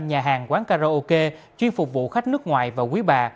nhà hàng quán karaoke chuyên phục vụ khách nước ngoài và quý bà